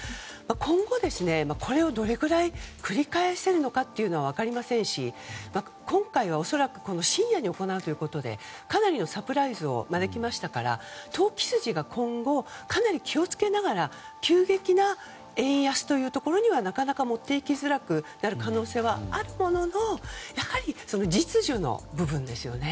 今後、これをどれくらい繰り返せるかというのは分かりませんし今回は、恐らく深夜に行うということでかなりのサプライズを招きましたから投機筋が今後かなり気を付けながら急激な円安というところにはなかなか持っていけづらくなる可能性はあるもののやはり、実需の部分ですよね。